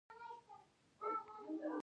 ایا زه به وکولی شم لمونځ وکړم؟